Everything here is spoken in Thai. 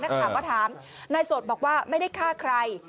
นักข่าวก็ถามนายโสดบอกว่าไม่ได้ฆ่าใคร